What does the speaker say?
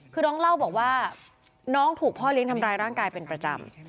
คือน้องเล่าบอกว่าน้องถูกพ่อเลี้ยงทำร้ายร่างกายเป็นประจำ